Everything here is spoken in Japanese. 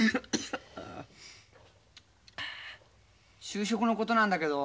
就職のことなんだけど。